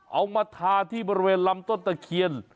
เอามาทาที่บริเวณลำต้นตะเคียน